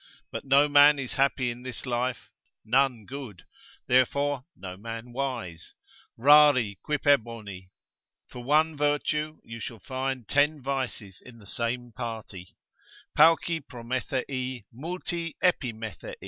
But no man is happy in this life, none good, therefore no man wise. Rari quippe boni——— For one virtue you shall find ten vices in the same party; pauci Promethei, multi Epimethei.